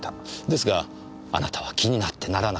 ですがあなたは気になってならなかった。